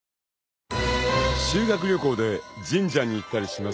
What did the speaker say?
［修学旅行で神社に行ったりしますよね］